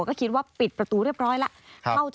ก็คิดว่าปิดประตูเรียบร้อยแล้ว